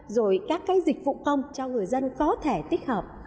rồi các dịch vụ công cho người dân có thể tích hợp